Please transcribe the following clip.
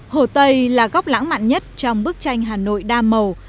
hồ tây là góc lãng mạn nhất trong bức tranh hà nội đa màu